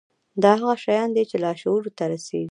دا هغه شيان دي چې لاشعور ته رسېږي.